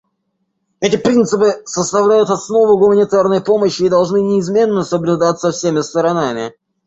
Эти принципы составляют основу гуманитарной помощи и должны неизменно соблюдаться всеми сторонами.